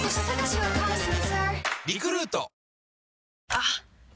あっ！